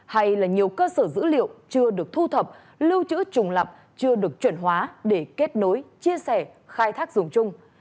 hay là nhiều cơ sở dữ liệu chưa được thu thập lưu trữ trùng lập chưa được chuẩn hóa để kết nối chia sẻ khai thác dùng chung